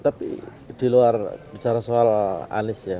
tapi di luar bicara soal anies ya